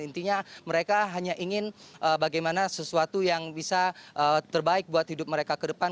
intinya mereka hanya ingin bagaimana sesuatu yang bisa terbaik buat hidup mereka ke depan